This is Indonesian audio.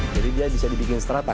jadi dia bisa dibikin serata